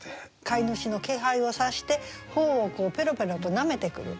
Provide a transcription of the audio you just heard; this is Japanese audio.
飼い主の気配を察して頬をペロペロと舐めてくる。